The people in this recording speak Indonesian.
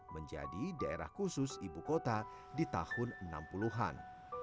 menjadi daerah khusus ibu kota di tahun enam puluh an